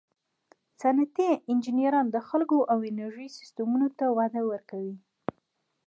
صنعتي انجینران د خلکو او انرژي سیسټمونو ته وده ورکوي.